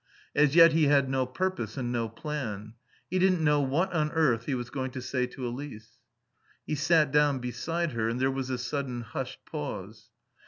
As yet he had no purpose and no plan. He didn't know what on earth he was going to say to Elise. He sat down beside her and there was a sudden hushed pause.